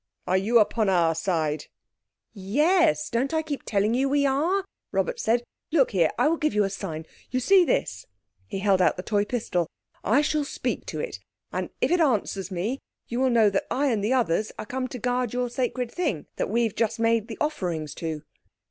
Are you upon our side?" "Yes. Don't I keep telling you we are?" Robert said. "Look here. I will give you a sign. You see this." He held out the toy pistol. "I shall speak to it, and if it answers me you will know that I and the others are come to guard your sacred thing—that we've just made the offerings to."